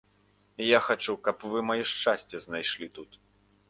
Я хачу, каб вы маё шчасце знайшлі тут.